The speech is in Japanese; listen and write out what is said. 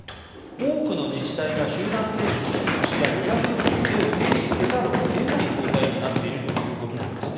多くの自治体が集団接種の休止や予約受け付けを停止せざるを得ない状態になっているということなんです。